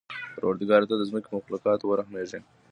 پروردګاره! ته د ځمکې په مخلوقاتو ورحمېږه.